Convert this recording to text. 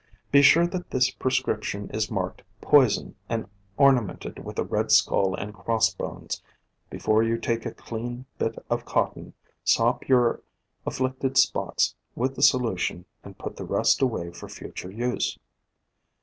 Be sure that this prescription is marked poison and ornamented with a red skull and cross bones, before you take a clean bit of cotton, sop your afflicted spots with the solution and put the rest away for future use.